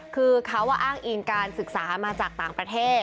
คือเขาอ้างอิงการศึกษามาจากต่างประเทศ